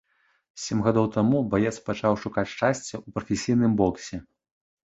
Сем гадоў таму баец пачаў шукаць шчасця ў прафесійным боксе.